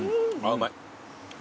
うまい。